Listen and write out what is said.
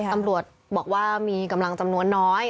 ตำรวจบอกว่ามีกำลังจำนวนน้อย